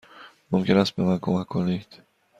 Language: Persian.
ممکن است به من کمک کنید؟